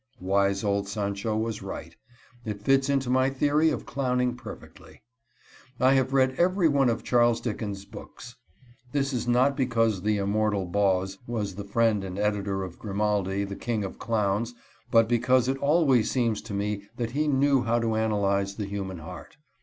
Wise old Sancho was right. It fits into my theory of clowning perfectly. I have read every one of Charles Dickens' books. This is not because the Immortal Boz was the friend and editor of Grimaldi, the king of clowns, but because it always seems to me that he knew how to analyze the human heart.